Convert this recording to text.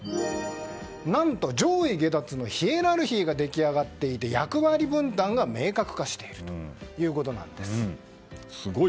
何と上位下達のヒエラルキーが出来上がっていて役割分担が明確ということです。